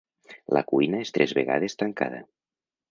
La cuina és tres vegades tancada.